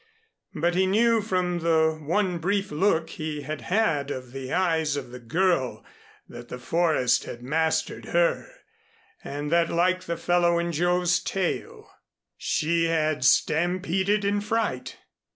But he knew from the one brief look he had had of the eyes of the girl, that the forest had mastered her, and that, like the fellow in Joe's tale, she had stampeded in fright.